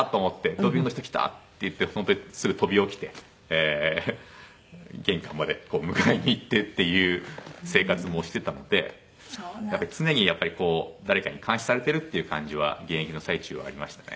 ドーピングの人来たって言って本当にすぐ飛び起きて玄関まで迎えに行ってっていう生活もしてたので常にやっぱり誰かに監視されてるっていう感じは現役の最中はありましたね。